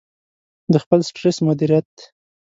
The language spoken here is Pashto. -د خپل سټرس مدیریت